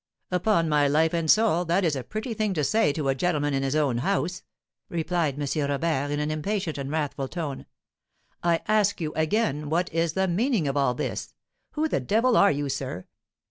"Upon my life and soul, that is a pretty thing to say to a gentleman in his own house," replied M. Robert in an impatient and wrathful tone. "I ask you, again, what is the meaning of all this? Who the devil are you, sir?